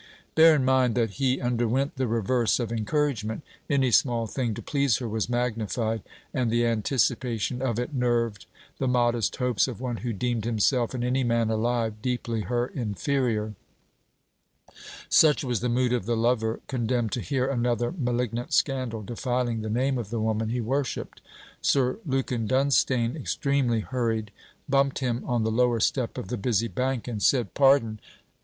Bear in mind, that he underwent the reverse of encouragement. Any small thing to please her was magnified, and the anticipation of it nerved the modest hopes of one who deemed himself and any man alive deeply her inferior. Such was the mood of the lover condemned to hear another malignant scandal defiling the name of the woman he worshipped. Sir Lukin Dunstane, extremely hurried, bumped him on the lower step of the busy Bank, and said: 'Pardon!'